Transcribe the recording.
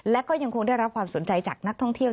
และก็ยังคงได้รับความสนใจจากนักท่องเที่ยว